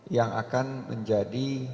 yang akan menjadi